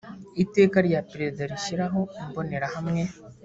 iteka rya perezida rishyiraho imbonerahamwe